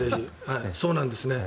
そうなんです。